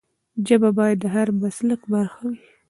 ژبه باید د هر مسلک برخه وي.